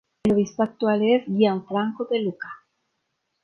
El obispo actual es Gianfranco De Luca.